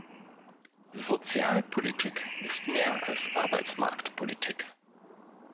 Sozialpolitik ist mehr als Arbeitsmarktpolitik.